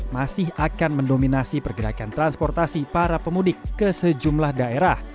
masih akan mendominasi pergerakan transportasi para pemudik ke sejumlah daerah